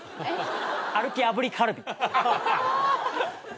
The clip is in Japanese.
歩きあぶりカルビ。